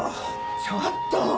ちょっと！